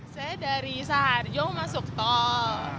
saya dari saharjo masuk tol